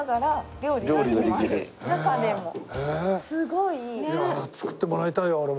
いやあ作ってもらいたいわ俺も。